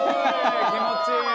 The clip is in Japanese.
「気持ちいい！」